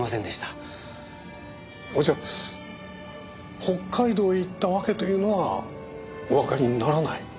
それじゃ北海道へ行った訳というのはおわかりにならない？